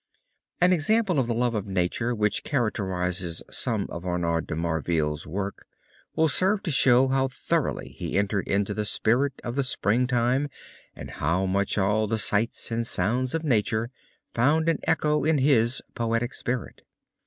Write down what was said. An example of the love of nature which characterizes some of Arnaud de Marveil's work will serve to show how thoroughly he entered into the spirit of the spring time and how much all the sights and sounds of nature found an echo in his poetic spirit.